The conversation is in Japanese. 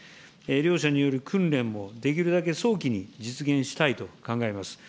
両者による訓練もできるだけ早期に実現したいと考えます。